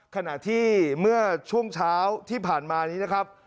ขณะที่เมื่อช่วงเช้าที่ผ่านมานี้นะครับ